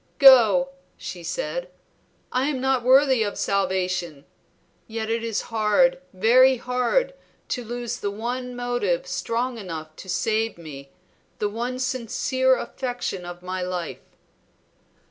"Go," she said, "I am not worthy of salvation. Yet it is hard, very hard, to lose the one motive strong enough to save me, the one sincere affection of my life."